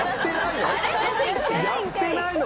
やってないの！？